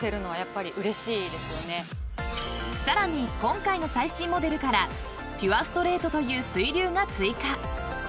［さらに今回の最新モデルからピュアストレートという水流が追加］